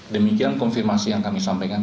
demikian konfirmasi yang kami sampaikan